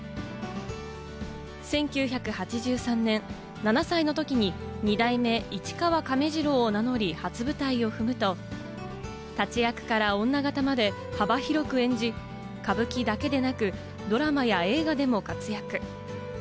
１９８３年、７歳のときに二代目・市川亀治郎を名乗り初舞台を踏むと、立役から女形まで幅広く演じ、歌舞伎だけでなく、ドラマや映画でも活躍。